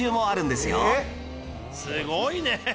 すごいね！